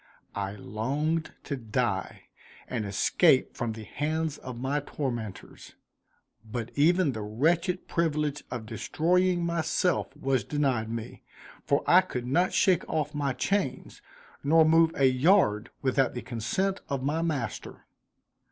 I longed to die, and escape from the hands of my tormentors; but even the wretched privilege of destroying myself was denied me, for I could not shake off my chains, nor move a yard without the consent of my master.